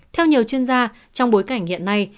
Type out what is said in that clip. theo nhiều chuyên gia trong bối cảnh hiện nay